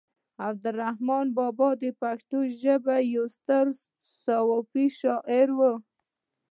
عبد الرحمان بابا د پښتو ژبې يو ستر صوفي شاعر و